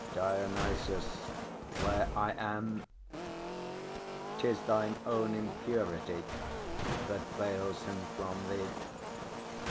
DIONYSUS. Where I am! 'Tis thine own impurity That veils him from thee.